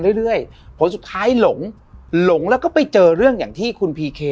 เรื่อยผลสุดท้ายหลงหลงแล้วก็ไปเจอเรื่องอย่างที่คุณพีเค